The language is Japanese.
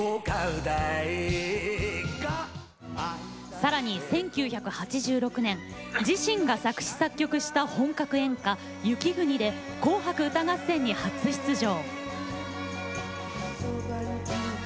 さらに１９８６年自身が作詞・作曲した本格演歌「雪國」で「紅白歌合戦」に初出場。